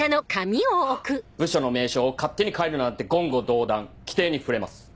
部署の名称を勝手に変えるなんて言語道断規定に触れます。